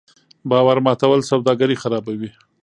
باور ماتول سوداګري خرابوي.